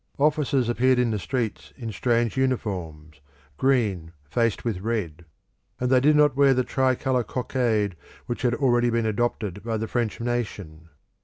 Officers appeared in the streets in strange uniforms, green faced with red; and they did not wear the tricolour cockade which had already been adopted by the French nation.